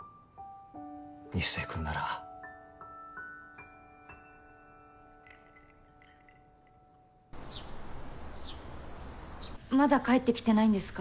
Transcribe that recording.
壱成君ならまだ帰ってきてないんですか？